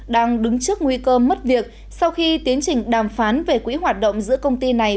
đang đứng trước nguy cơ mất việc sau khi tiến trình đàm phán về quỹ hoạt động giữa công ty này